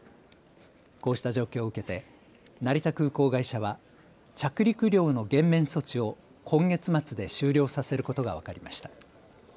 こうした状況を受けて成田空港会社は着陸料の減免措置を今月末で終了させることが分かりました。